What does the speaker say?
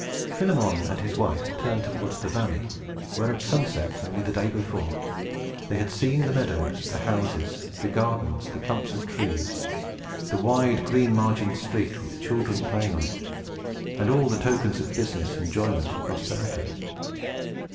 Philemon and his wife turned towards the valley, where, at sunset, only the day before, they had seen the meadows, the houses, the gardens, the clumps of trees, the wide, green margined street, with children playing in it, and all the tokens of business, enjoyment, and prosperity.